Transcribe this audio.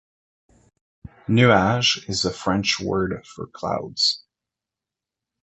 "Nuages" is the French word for "clouds".